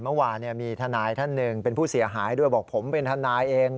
เมื่อวานมีทนายท่านหนึ่งเป็นผู้เสียหายด้วยบอกผมเป็นทนายเอง